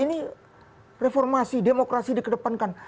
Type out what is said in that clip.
ini kan seolah olah ini reformasi demokrasi di kedepankan